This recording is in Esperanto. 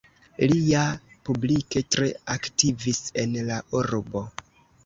Li ja publike tre aktivis en la urbo.